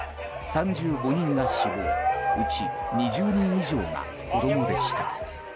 ３５人が死亡うち２０人以上が子供でした。